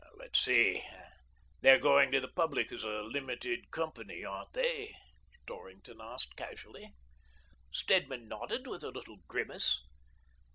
"Let's see, they're going to the public as a limited company, aren't they?" Dorrington asked casually. Stedman nodded, with a little grimace.